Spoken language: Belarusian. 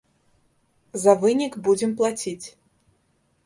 За вынік будзем плаціць.